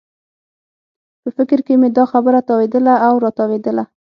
په فکر کې مې دا خبره تاوېدله او راتاوېدله.